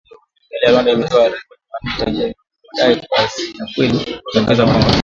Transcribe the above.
Serikali ya Rwanda imetoa taarifa jumanne ikitaja madai hayo kuwa si ya kweli ikiongezea kwamba